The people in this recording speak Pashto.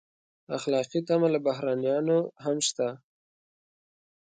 اخلاقي تمه له بهرنیانو هم شته.